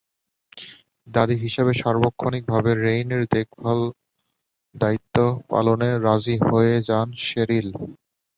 দাদি হিসেবে সার্বক্ষণিকভাবে রেইনের দেখভালের দায়িত্ব পালনে রাজিও হয়ে যান শেরিল।